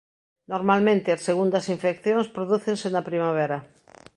Normalmente as segundas infeccións prodúcense na primavera.